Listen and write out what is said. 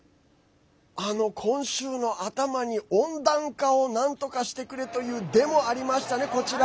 今週の頭に温暖化をなんとかしてくれというデモ、ありましたね。